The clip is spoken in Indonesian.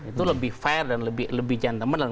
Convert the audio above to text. itu lebih fair dan lebih gentleman dan